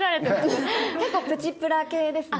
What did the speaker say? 結構プチプラ系ですね。